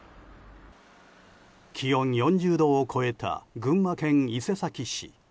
気温４０度を超えた群馬県伊勢崎市。